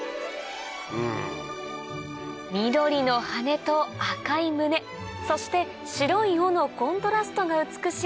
緑の羽と赤い胸そして白い尾のコントラストが美しい